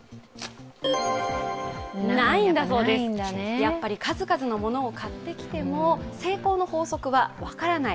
やっぱり数々のものを買ってきても成功の法則は分からない。